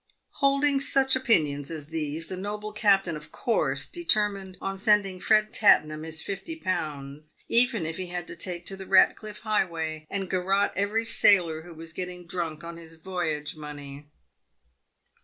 Holding such opinions as these, the noble captain of course determined on sending Ered Tattenham his fifty pounds, even if he had to take to s2 260 PAVED WITH GOLD. the Katcliffe highway, and garotte every sailor who was getting drunk on his voyage money.